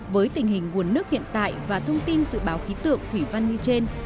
với tình hình nguồn nước hiện tại và thông tin dự báo khí tượng thủy văn như trên